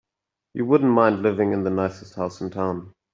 You wouldn't mind living in the nicest house in town.